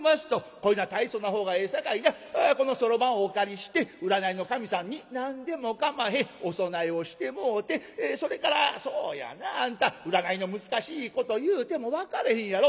こういうのは大層なほうがええさかいなこのそろばんをお借りして占いの神さんに何でもかまへんお供えをしてもうてそれからそうやなあんた占いの難しいこと言うても分かれへんやろ？